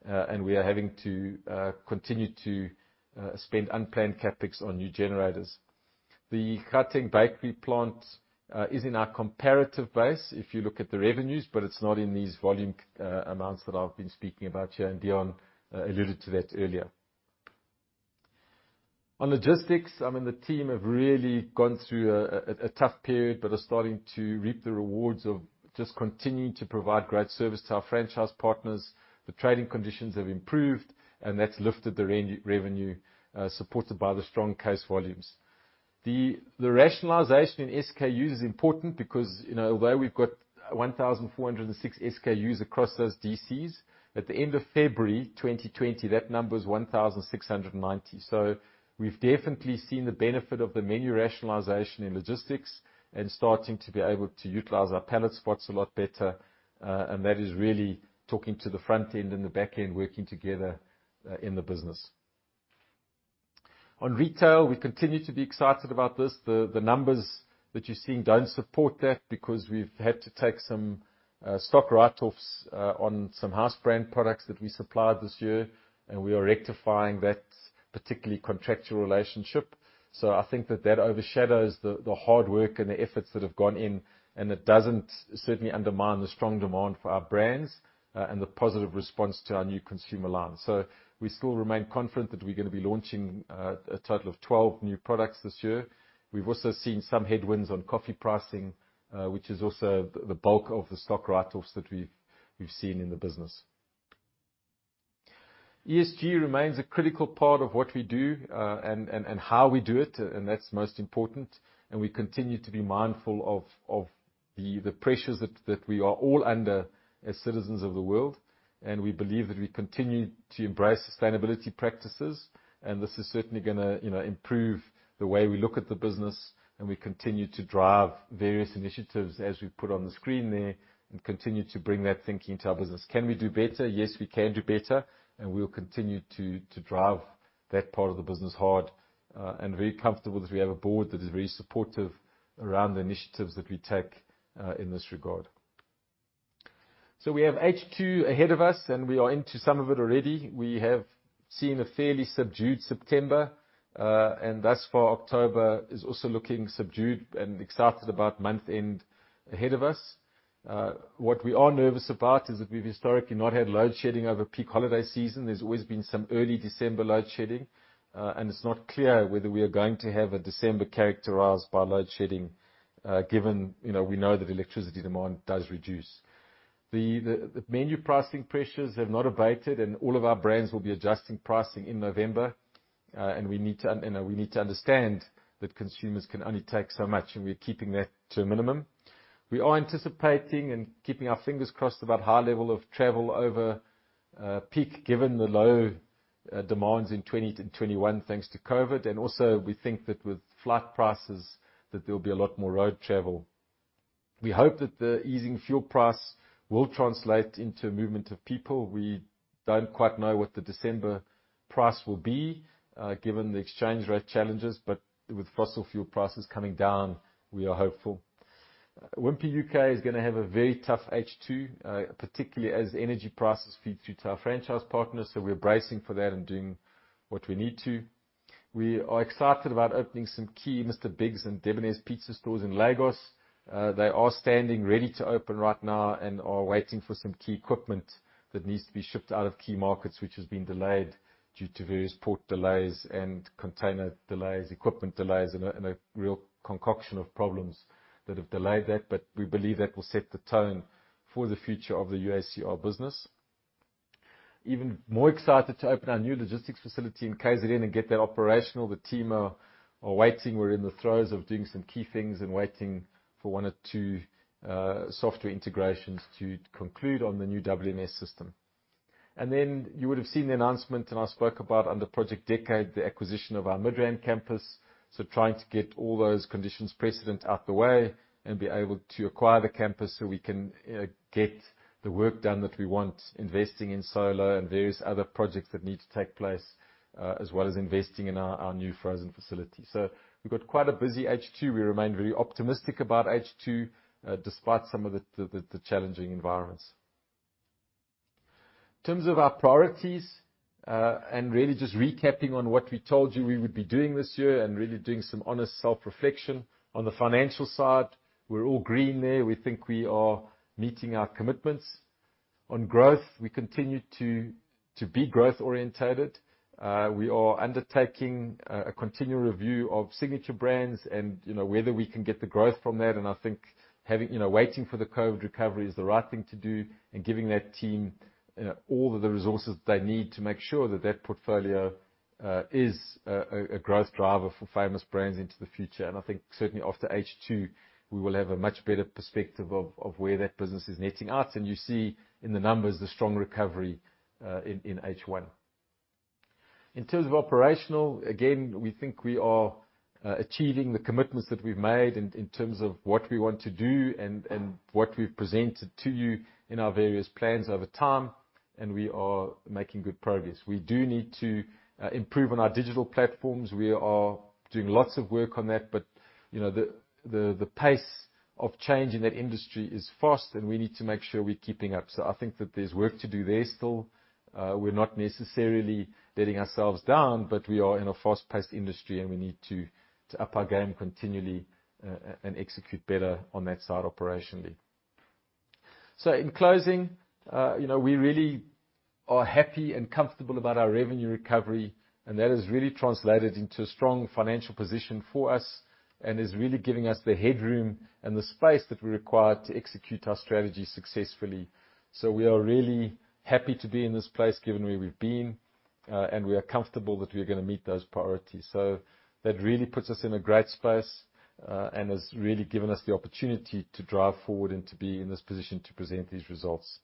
and we are having to continue to spend unplanned CapEx on new generators. The Gauteng bakery plant is in our comparative base if you look at the revenues, but it's not in these volume amounts that I've been speaking about here, and Deon alluded to that earlier. On logistics, I mean, the team have really gone through a tough period, but are starting to reap the rewards of just continuing to provide great service to our franchise partners. The trading conditions have improved, and that's lifted the revenue, supported by the strong sales volumes. The rationalization in SKUs is important because, you know, although we've got 1,406 SKUs across those DCs, at the end of February 2020, that number was 1,690 SKUs. We've definitely seen the benefit of the menu rationalization in logistics and starting to be able to utilize our pallet spots a lot better, and that is really talking to the front end and the back end working together in the business. On retail, we continue to be excited about this. The numbers that you're seeing don't support that because we've had to take some stock write-offs on some house brand products that we supplied this year, and we are rectifying that particular contractual relationship. I think that overshadows the hard work and the efforts that have gone in, and it doesn't certainly undermine the strong demand for our brands, and the positive response to our new consumer line. We still remain confident that we're gonna be launching a total of 12 new products this year. We've also seen some headwinds on coffee pricing, which is also the bulk of the stock write-offs that we've seen in the business. ESG remains a critical part of what we do, and how we do it, and that's most important, and we continue to be mindful of the pressures that we are all under as citizens of the world. We believe that we continue to embrace sustainability practices, and this is certainly gonna, you know, improve the way we look at the business, and we continue to drive various initiatives as we've put on the screen there, and continue to bring that thinking to our business. Can we do better? Yes, we can do better, and we will continue to drive that part of the business hard, and very comfortable that we have a board that is very supportive around the initiatives that we take, in this regard. We have H2 ahead of us, and we are into some of it already. We have seen a fairly subdued September, and thus far, October is also looking subdued. Excited about month end ahead of us. What we are nervous about is that we've historically not had load shedding over peak holiday season. There's always been some early December load shedding, and it's not clear whether we are going to have a December characterized by load shedding, given, you know, we know that electricity demand does reduce. The menu pricing pressures have not abated, and all of our brands will be adjusting pricing in November, and we need to, you know, understand that consumers can only take so much, and we're keeping that to a minimum. We are anticipating and keeping our fingers crossed about high level of travel over peak, given the low demands in 2020-2021, thanks to COVID, and also we think that with flight prices that there'll be a lot more road travel. We hope that the easing fuel price will translate into movement of people. We don't quite know what the December price will be, given the exchange rate challenges, but with fossil fuel prices coming down, we are hopeful. Wimpy UK is gonna have a very tough H2, particularly as energy prices feed through to our franchise partners, so we're bracing for that and doing what we need to. We are excited about opening some key Mr Bigg's and Debonairs Pizza stores in Lagos. They are standing ready to open right now and are waiting for some key equipment that needs to be shipped out of key markets which has been delayed due to various port delays and container delays, equipment delays, and a real concoction of problems that have delayed that. We believe that will set the tone for the future of the UAC Restaurants business. Even more excited to open our new logistics facility in KZN and get that operational. The team are waiting. We're in the throes of doing some key things and waiting for one or two software integrations to conclude on the new WMS system. Then you would have seen the announcement, and I spoke about under Project Decade, the acquisition of our Midrand campus. Trying to get all those conditions precedent out the way and be able to acquire the campus so we can get the work done that we want, investing in solar and various other projects that need to take place, as well as investing in our new frozen facility. We've got quite a busy H2. We remain very optimistic about H2, despite some of the challenging environments. In terms of our priorities, really just recapping on what we told you we would be doing this year and really doing some honest self-reflection. On the financial side, we're all green there. We think we are meeting our commitments. On growth, we continue to be growth-oriented. We are undertaking a continual review of Signature Brands and, you know, whether we can get the growth from that, and I think waiting for the COVID recovery is the right thing to do, and giving that team, you know, all of the resources they need to make sure that portfolio is a growth driver for Famous Brands into the future. I think certainly after H2, we will have a much better perspective of where that business is netting out. You see in the numbers the strong recovery in H1. In terms of operational, again, we think we are achieving the commitments that we've made in terms of what we want to do and what we've presented to you in our various plans over time, and we are making good progress. We do need to improve on our digital platforms. We are doing lots of work on that, but you know, the pace of change in that industry is fast, and we need to make sure we're keeping up. I think that there's work to do there still. We're not necessarily letting ourselves down, but we are in a fast-paced industry, and we need to up our game continually, and execute better on that side operationally. In closing, you know, we really are happy and comfortable about our revenue recovery, and that has really translated into a strong financial position for us and is really giving us the headroom and the space that we require to execute our strategy successfully. We are really happy to be in this place, given where we've been, and we are comfortable that we are gonna meet those priorities. That really puts us in a great space, and has really given us the opportunity to drive forward and to be in this position to present these results.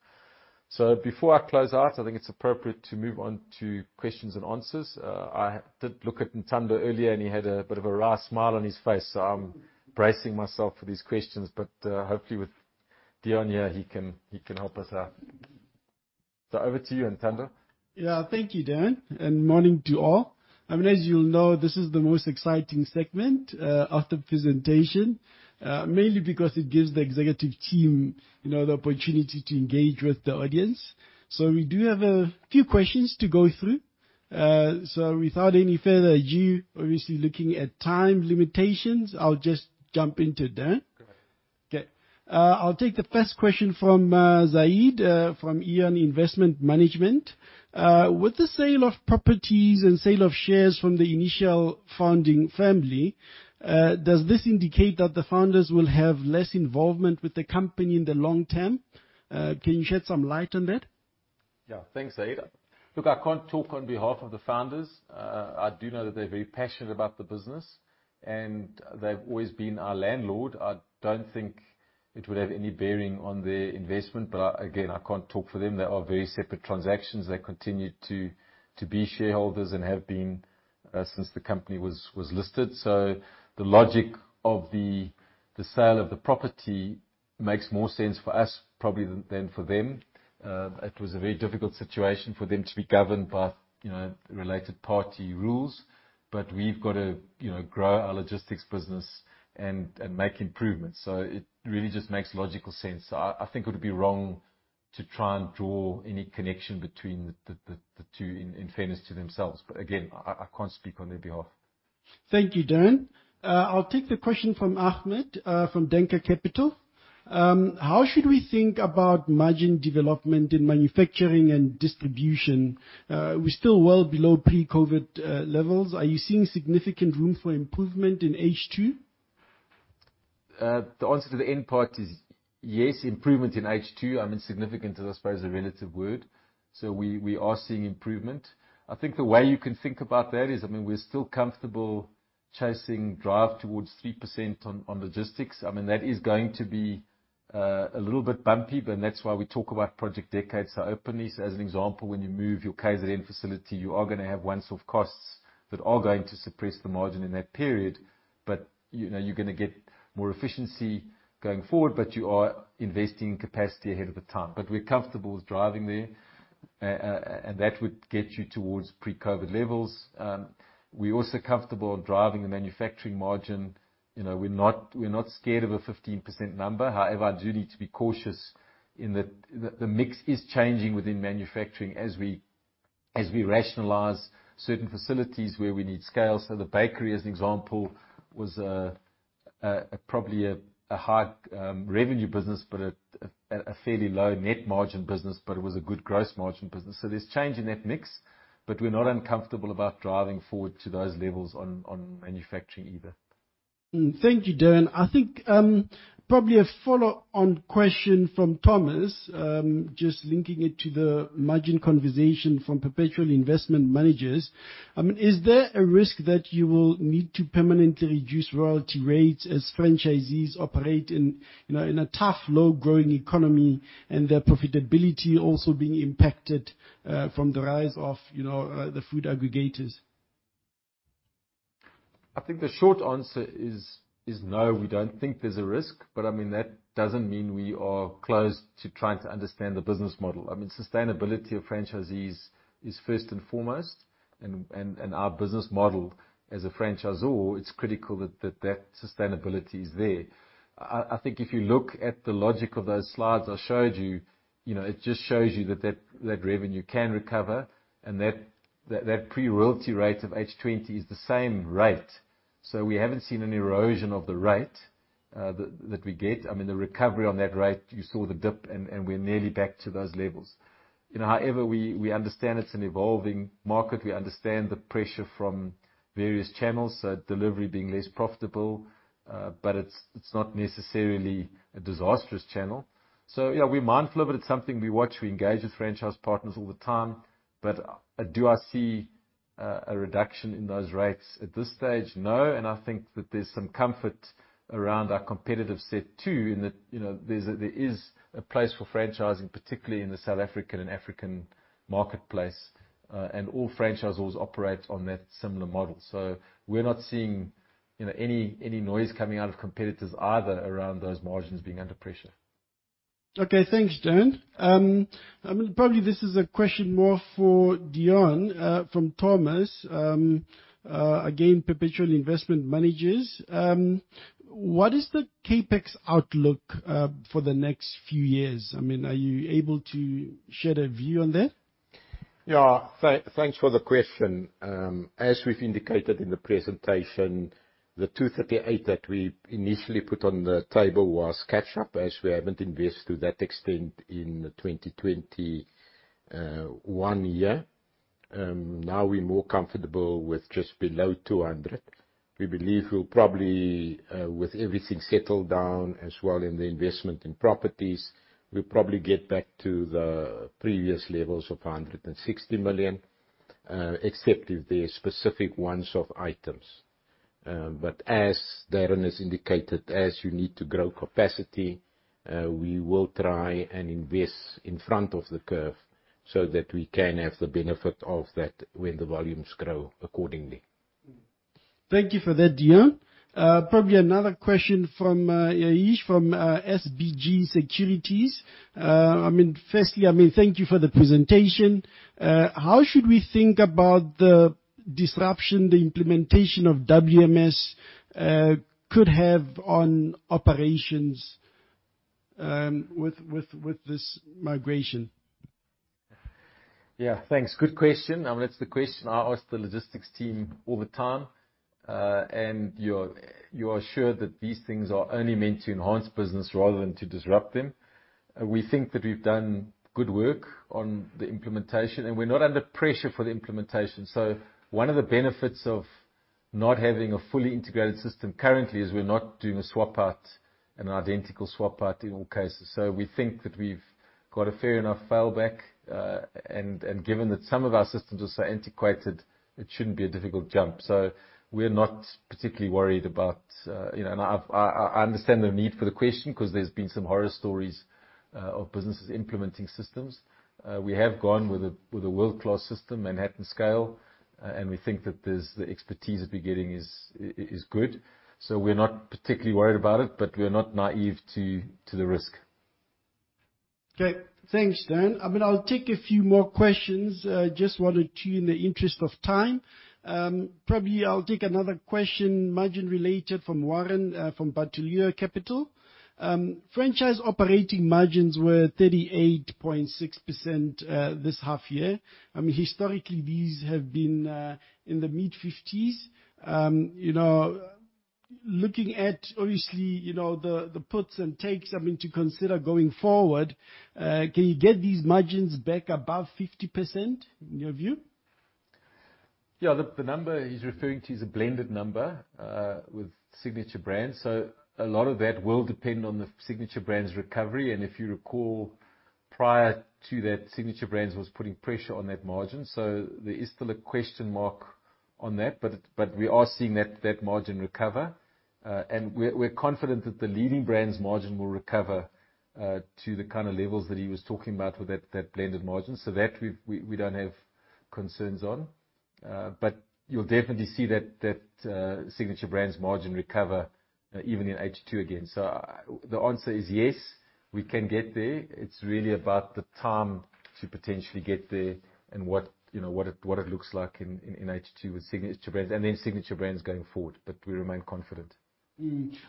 Before I close out, I think it's appropriate to move on to questions and answers. I did look at Ntando earlier, and he had a bit of a wry smile on his face, so I'm bracing myself for these questions. Hopefully with Deon here, he can help us out. Over to you, Ntando. Yeah. Thank you, Darren, and morning to all. I mean, as you'll know, this is the most exciting segment of the presentation mainly because it gives the executive team, you know, the opportunity to engage with the audience. We do have a few questions to go through. Without any further ado, obviously looking at time limitations, I'll just jump into Darren. Great. Okay. I'll take the first question from Zaid from Aeon Investment Management. With the sale of properties and sale of shares from the initial founding family, does this indicate that the founders will have less involvement with the company in the long term? Can you shed some light on that? Yeah. Thanks, Zaid. Look, I can't talk on behalf of the founders. I do know that they're very passionate about the business, and they've always been our landlord. I don't think it would have any bearing on their investment, but, again, I can't talk for them. They are very separate transactions. They continue to be shareholders and have been since the company was listed. The logic of the sale of the property makes more sense for us probably than for them. It was a very difficult situation for them to be governed by, you know, related party rules, but we've got to, you know, grow our logistics business and make improvements, so it really just makes logical sense. I think it would be wrong to try and draw any connection between the two, in fairness to themselves. Again, I can't speak on their behalf. Thank you, Darren. I'll take the question from Ahmed from Denker Capital. How should we think about margin development in manufacturing and distribution? We're still well below pre-COVID levels. Are you seeing significant room for improvement in H2? The answer to the end part is yes, improvement in H2. I mean, significant, I suppose, is a relative word, so we are seeing improvement. I think the way you can think about that is, I mean, we're still comfortable with driving towards 3% on logistics. I mean, that is going to be a little bit bumpy, but that's why we talk about Project Decade so openly. As an example, when you move your KZN facility, you are gonna have once-off costs that are going to suppress the margin in that period. You know, you're gonna get more efficiency going forward, but you are investing in capacity ahead of time. We're comfortable with driving there, and that would get you towards pre-COVID levels. We're also comfortable driving the manufacturing margin. You know, we're not scared of a 15% number. However, I do need to be cautious in that the mix is changing within manufacturing as we rationalize certain facilities where we need scale. The bakery, as an example, was probably a high revenue business, but a fairly low net margin business, but it was a good gross margin business. There's change in that mix, but we're not uncomfortable about driving forward to those levels on manufacturing either. Thank you, Darren. I think, probably a follow-on question from Thomas, just linking it to the margin conversation from Perpetua Investment Managers. I mean, is there a risk that you will need to permanently reduce royalty rates as franchisees operate in, you know, in a tough, low growing economy, and their profitability also being impacted, from the rise of, you know, the food aggregators? I think the short answer is no, we don't think there's a risk. I mean, that doesn't mean we are closed to trying to understand the business model. I mean, sustainability of franchisees is first and foremost, and our business model as a franchisor, it's critical that that sustainability is there. I think if you look at the logic of those slides I showed you know, it just shows you that revenue can recover and that pre-royalty rate of 8.0% is the same rate. We haven't seen an erosion of the rate that we get. I mean, the recovery on that rate, you saw the dip, and we're nearly back to those levels. You know, however, we understand it's an evolving market. We understand the pressure from various channels, delivery being less profitable, but it's not necessarily a disastrous channel. Yeah, we're mindful of it. It's something we watch. We engage with franchise partners all the time. Do I see a reduction in those rates at this stage? No. I think that there's some comfort around our competitive set too, in that, you know, there is a place for franchising, particularly in the South African and African marketplace. All franchisors operate on that similar model. We're not seeing, you know, any noise coming out of competitors either around those margins being under pressure. Okay. Thanks, Darren. I mean, probably this is a question more for Deon from Thomas again, Perpetua Investment Managers. What is the CapEx outlook for the next few years? I mean, are you able to share a view on that? Yeah. Thanks for the question. As we've indicated in the presentation, the 238 million that we initially put on the table was catch-up, as we haven't invested to that extent in the 2021 year. Now we're more comfortable with just below 200 million. We believe we'll probably with everything settled down as well in the investment in properties, we'll probably get back to the previous levels of 160 million, except if there are specific one-off items. But as Darren has indicated, as you need to grow capacity, we will try and invest in front of the curve so that we can have the benefit of that when the volumes grow accordingly. Thank you for that, Deon. Probably another question from Ya'eesh from SBG Securities. I mean, firstly, I mean, thank you for the presentation. How should we think about the disruption the implementation of WMS could have on operations with this migration? Yeah, thanks. Good question. I mean, that's the question I ask the logistics team all the time. You are assured that these things are only meant to enhance business rather than to disrupt them. We think that we've done good work on the implementation, and we're not under pressure for the implementation. One of the benefits of not having a fully integrated system currently is we're not doing a swap out, an identical swap out in all cases. We think that we've got a fair enough fallback. Given that some of our systems are so antiquated, it shouldn't be a difficult jump. We're not particularly worried about. I understand the need for the question, 'cause there's been some horror stories of businesses implementing systems. We have gone with a world-class system, Manhattan SCALE, and we think that there's the expertise we're getting is good. We're not particularly worried about it, but we're not naive to the risk. Okay. Thanks, Darren. I mean, I'll take a few more questions, just one or two in the interest of time. Probably I'll take another question, margin related from Warren, from Bateleur Capital. Franchise operating margins were 38.6%, this half year. I mean, historically, these have been in the mid-50s%. You know, looking at obviously, you know, the puts and takes, I mean, to consider going forward, can you get these margins back above 50% in your view? Yeah, the number he's referring to is a blended number with Signature Brands. A lot of that will depend on the Signature Brands recovery. If you recall, prior to that, Signature Brands was putting pressure on that margin. There is still a question mark on that, but we are seeing that margin recover. We're confident that the Leading Brands margin will recover to the kind of levels that he was talking about with that blended margin. We don't have concerns on that. But you'll definitely see that Signature Brands margin recover even in H2 again. The answer is yes, we can get there. It's really about the time to potentially get there and what, you know, what it looks like in H2 with Signature Brands and then Signature Brands going forward. We remain confident.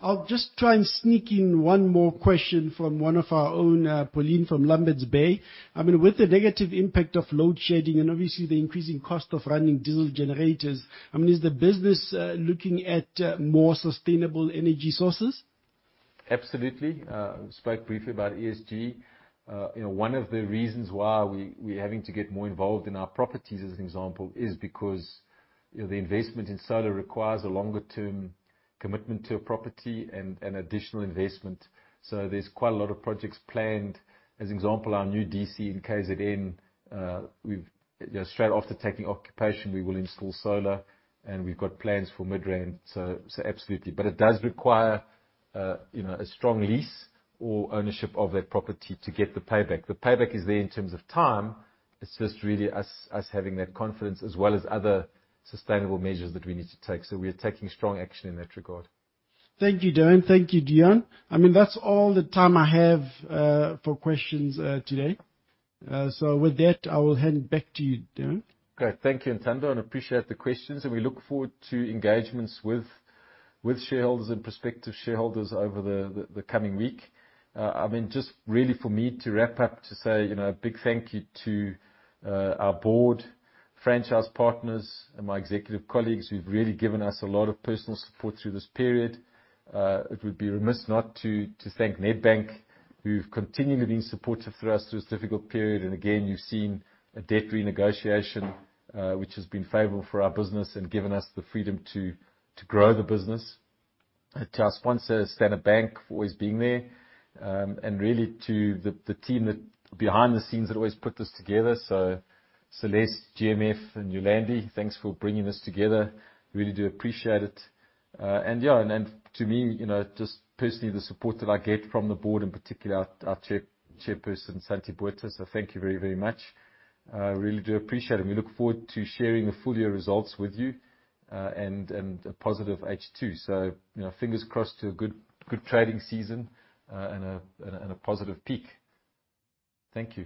I'll just try and sneak in one more question from one of our own, Pauline from Lamberts Bay. I mean, with the negative impact of load shedding and obviously the increasing cost of running diesel generators, I mean, is the business looking at more sustainable energy sources? Absolutely. Spoke briefly about ESG. You know, one of the reasons why we're having to get more involved in our properties, as an example, is because, you know, the investment in solar requires a longer-term commitment to a property and additional investment. So there's quite a lot of projects planned. As an example, our new DC in KZN, you know, straight after taking occupation, we will install solar, and we've got plans for Midrand. So absolutely. But it does require, you know, a strong lease or ownership of that property to get the payback. The payback is there in terms of time. It's just really us having that confidence as well as other sustainable measures that we need to take. So we are taking strong action in that regard. Thank you, Darren. Thank you, Deon. I mean, that's all the time I have, for questions, today. With that, I will hand back to you, Darren. Great. Thank you, Ntando, and appreciate the questions, and we look forward to engagements with shareholders and prospective shareholders over the coming week. I mean, just really for me to wrap up to say, you know, a big thank you to our board, franchise partners and my executive colleagues who've really given us a lot of personal support through this period. It would be remiss not to thank Nedbank, who've continually been supportive of us through this difficult period. Again, you've seen a debt renegotiation, which has been favorable for our business and given us the freedom to grow the business. To our sponsors, Standard Bank, for always being there. Really to the team behind the scenes that always put this together. Celeste, GMF and Yolandi, thanks for bringing this together. Really do appreciate it. Yeah. To me, you know, just personally, the support that I get from the board, in particular our chairperson, Santie Botha. Thank you very, very much. Really do appreciate it, and we look forward to sharing the full year results with you, and a positive H2. You know, fingers crossed to a good trading season, and a positive peak. Thank you.